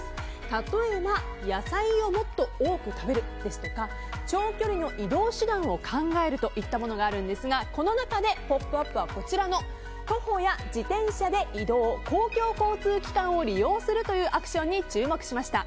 例えば野菜をもっと多く食べるですとか長距離の移動手段を考えるといったものがあるんですがこの中で「ポップＵＰ！」は徒歩や自転車で移動公共交通機関を利用するというアクションに注目しました。